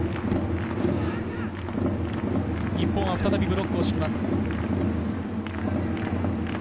日本は再びブロックを敷きます。